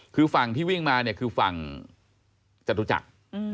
คือฝั่งที่วิ่งมาเนี่ยคือฝั่งจตุจักร